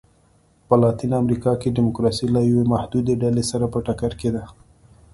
په لاتینه امریکا کې ډیموکراسي له یوې محدودې ډلې سره په ټکر کې ده.